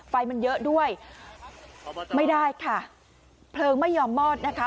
ไฟมันเยอะด้วยไม่ได้ค่ะเพลิงไม่ยอมมอดนะคะ